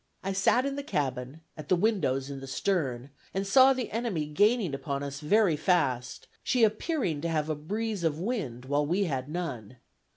I sat in the cabin, at the windows in the stern, and saw the enemy gaining upon us very fast, she appearing to have a breeze of wind, while we had none.